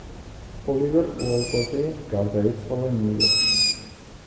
ოლივერ უოლკოტი გარდაიცვალა ნიუ-იორკში.